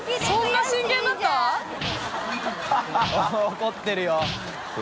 怒ってるよ